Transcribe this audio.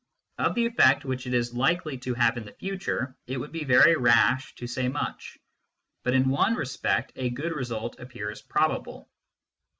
Of the effect which it is likely to have in the future it would be very rash to say much ; but in one respect a good result appears probable.